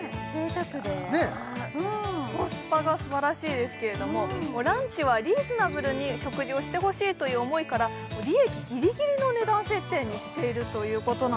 贅沢でうんコスパがすばらしいですけれどもランチはリーズナブルに食事をしてほしいという思いから利益ギリギリの値段設定にしているということなんですね